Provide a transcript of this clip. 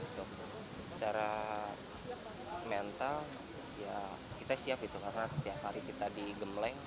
secara mental kita siap karena setiap hari kita digemleng